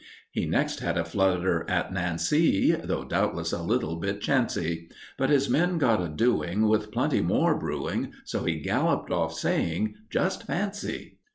He next had a flutter at Nancy, Though doubtless a little bit chancy; But his men got a doing, With plenty more brewing, So he galloped off, saying, "Just fancy!"